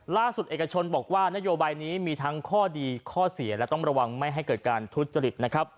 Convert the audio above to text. เอกชนบอกว่านโยบายนี้มีทั้งข้อดีข้อเสียและต้องระวังไม่ให้เกิดการทุจริตนะครับ